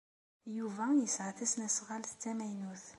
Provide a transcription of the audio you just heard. Yuba yesɛa tasnasɣalt d tamaynut.